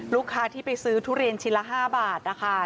ลูกค้าที่ไปซื้อทุเรียนชิ้นละ๕บาทนะคะ